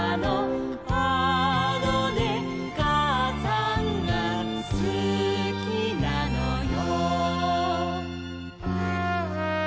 「あのねかあさんがすきなのよ」